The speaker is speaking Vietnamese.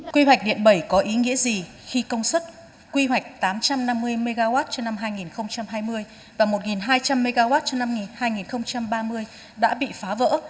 quy hoạch điện bảy có ý nghĩa gì khi công suất quy hoạch tám trăm năm mươi mw cho năm hai nghìn hai mươi và một hai trăm linh mw cho năm hai nghìn ba mươi đã bị phá vỡ